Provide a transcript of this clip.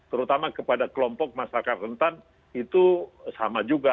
terutama kepada kelompok masyarakat rentan itu sama juga